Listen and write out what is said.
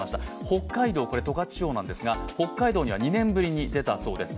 北海道、十勝地方なんですが北海道には２年ぶりに出たそうです